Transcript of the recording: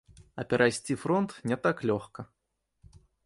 А перайсці фронт не так лёгка.